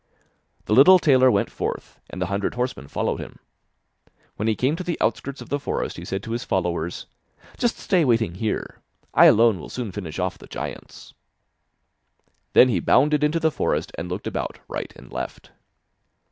The little tailor went forth, and the hundred horsemen followed him. When he came to the outskirts of the forest, he said to his followers: 'Just stay waiting here, I alone will soon finish off the giants.' Then he bounded into the forest and looked about right and left.